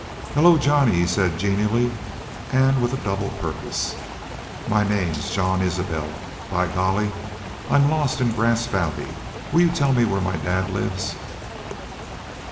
"Hello, Johnny!" he said, genially, and with a double purpose. "My name's Jean Isbel. By Golly! I'm lost in Grass Valley. Will you tell me where my dad lives?"